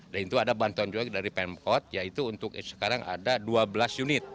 dan itu ada bantuan juga dari pemkot yaitu untuk sekarang ada dua belas unit